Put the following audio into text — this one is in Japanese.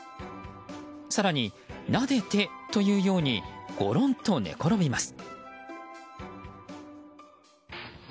更に、なでてと言うようにごろんと寝転びます。